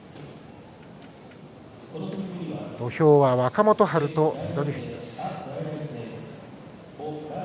土俵は、若元春と翠富士です。